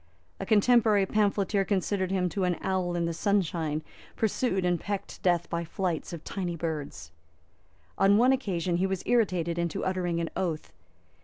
A contemporary pamphleteer compared him to an owl in the sunshine pursued and pecked to death by flights of tiny birds. On one occasion he was irritated into uttering an oath.